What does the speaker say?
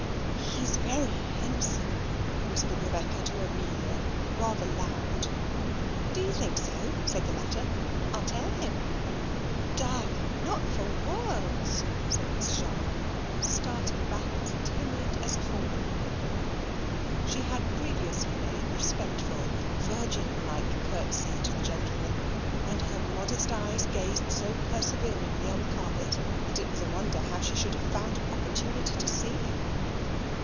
"He's very handsome," whispered Rebecca to Amelia, rather loud. "Do you think so?" said the latter. "I'll tell him." "Darling! not for worlds," said Miss Sharp, starting back as timid as a fawn. She had previously made a respectful virgin like curtsey to the gentleman, and her modest eyes gazed so perseveringly on the carpet that it was a wonder how she should have found an opportunity to see him.